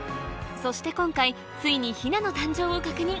そして今回ついにヒナの誕生を確認